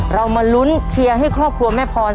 เรามาลุ้นเชียร์ให้ครอบครัวแม่พร